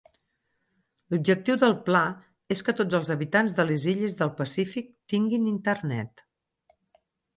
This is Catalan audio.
L'objectiu del pla és que tots els habitants de les illes del Pacífic tinguin internet.